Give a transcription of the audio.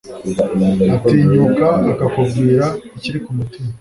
atinyuka akakubwira ikiri kumutima .